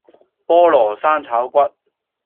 菠蘿生炒骨